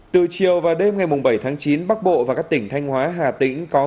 từ chiều và đêm ngày bảy chín bắc bộ và các tỉnh thanh hóa hà tĩnh